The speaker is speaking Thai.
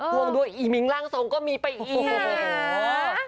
วงด้วยอีมิงล่างทรงก็มีไปอีก